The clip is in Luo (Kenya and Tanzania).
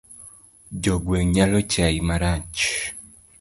Jo gweng' nyalo chai marach.